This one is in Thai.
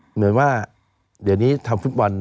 เหมือนว่าเดี๋ยวนี้ทำฟุตบอล